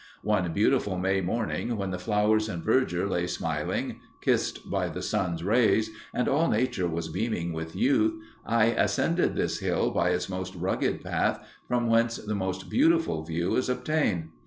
One beautiful May morning, when the flowers and verdure lay smiling, kissed by the sun's rays, and all nature was beaming with youth, I ascended this hill by its most rugged path, from whence the most beautiful view is obtained.